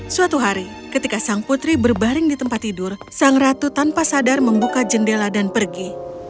suatu hari ketika sang putri berbaring di tempat tidur sang ratu tanpa sadar membuka jendela dan pergi